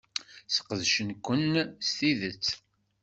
Sqedcen-ken s tidet.